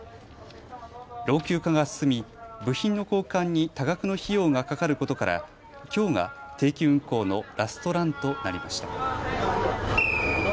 老朽化が進み、部品の交換に多額の費用がかかることからきょうが定期運行のラストランとなりました。